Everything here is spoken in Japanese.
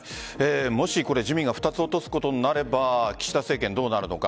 もし、自民が２つ落とすことになれば岸田政権、どうなるのか。